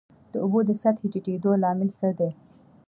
د اوبو د سطحې د ټیټیدو لامل څه دی؟